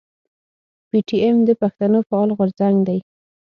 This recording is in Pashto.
پي ټي ايم د پښتنو فعال غورځنګ دی.